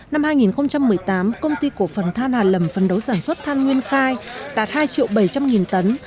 năm hai nghìn một mươi tám công ty cổ phần than hà lầm phân đấu sản xuất than nguyên khai đạt hai bảy trăm linh tấn